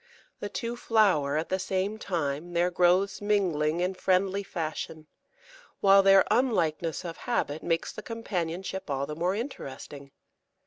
The two flower at the same time, their growths mingling in friendly fashion, while their unlikeness of habit makes the companionship all the more interesting.